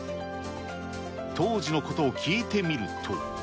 当時のことを聞いてみると。